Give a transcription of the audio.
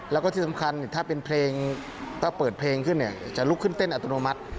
แล้วก็ที่สำคัญถ้าเปิดเพลงขึ้นจะลุกขึ้นเต้นอัตโนมัติ